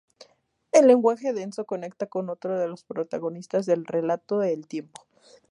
El lenguaje denso conecta con otro de los protagonistas del relato: el tiempo.